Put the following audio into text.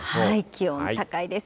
気温高いです。